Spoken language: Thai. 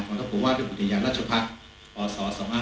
ของทศพวาดิบุริยานราชภักดิ์ปศ๒๕๕๘